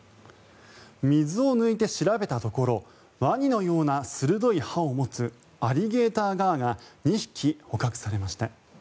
水を抜いて調べたところワニのような鋭い歯を持つアリゲーターガーが２匹捕獲されました。